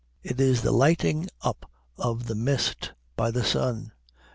It is the lighting up of the mist by the sun.